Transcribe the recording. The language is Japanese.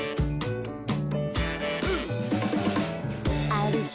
「あるひ